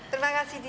terima kasih di